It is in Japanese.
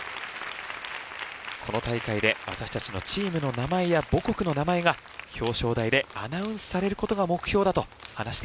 この大会で私たちのチームの名前や母国の名前が表彰台でアナウンスされる事が目標だと話しています。